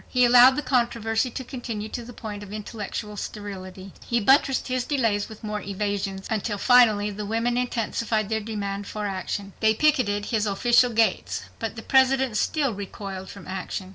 He allowed the controversy to continue to the point of intellectual sterility. He buttressed his delays with more evasions, until finally the women intensified their demand for action. They picketed his official gates. But the President still recoiled from action.